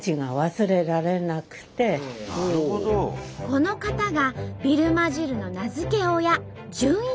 この方がビルマ汁の名付け親